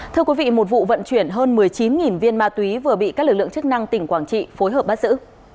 thưa quý vị một vụ vận chuyển hơn một mươi chín viên ma túy vừa bị các lực lượng chức năng tỉnh quảng trị phối hợp bắt giữ